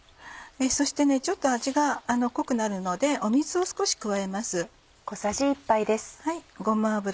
そしてちょっと味が濃くなるので水を少し加えます。